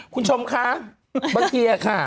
คุณชมคะบางทีอะค่ะ